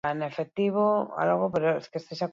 Berrehun horiek bakarrik onartuko dira fakultatean.